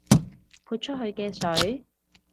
潑出去嘅水